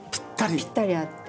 ぴったり合って。